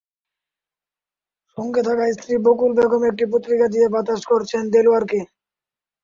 সঙ্গে থাকা স্ত্রী বকুল বেগম একটি পত্রিকা দিয়ে বাতাস করছেন দেলোয়ারকে।